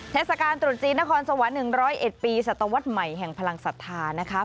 เทศกาลตรุษจีนนครสวรรค์๑๐๑ปีสัตวรรษใหม่แห่งพลังศรัทธานะคะ